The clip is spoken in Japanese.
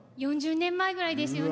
４０年前ぐらいですよね。